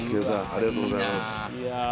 ありがとうございますいいなあ